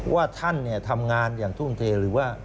ว่าท่านทำงานอย่างทุ่มเทหรือว่า